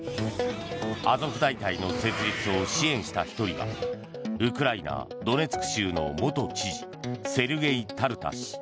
アゾフ大隊の設立を支援した１人がウクライナ・ドネツク州の元知事セルゲイ・タルタ氏。